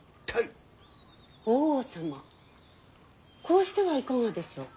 こうしてはいかがでしょう。